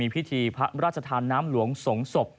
พิธีพระราชธาน้ำหลวงสงฆ์สบ